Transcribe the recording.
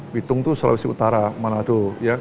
bitung itu sulawesi utara manado